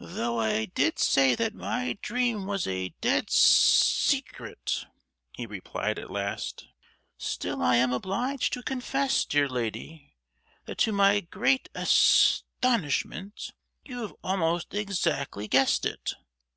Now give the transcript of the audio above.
"Though I did say that my dream was a dead se—cret," he replied at last, "still I am obliged to confess, dear lady, that to my great as—tonishment you have almost exactly guessed it."